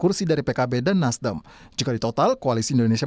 terlepas mereka di dalam atau di luar pemerintahan